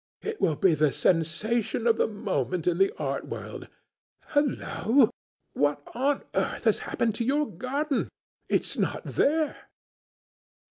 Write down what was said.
It will be the sensation of the moment in the art world—Hullo, what on earth has happened to your garden? It's not there!"